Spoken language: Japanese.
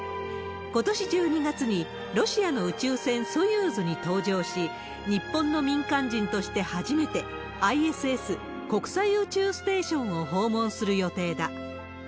ことし１２月に、ロシアの宇宙船、ソユーズに搭乗し、日本の民間人として初めて、ＩＳＳ・国際宇宙ステーションを訪問する予定だ。